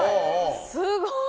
すごい！